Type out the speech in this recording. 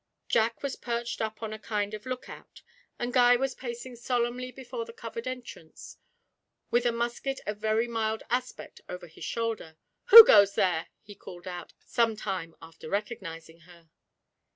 Jack was perched up on a kind of look out, and Guy was pacing solemnly before the covered entrance with a musket of very mild aspect over his shoulder. 'Who goes there?' he called out, some time after recognising her.